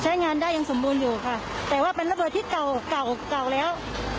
ใช้งานได้อย่างสมบูรณ์อยู่ค่ะแต่ว่าเป็นระเบิดที่เก่าแล้ว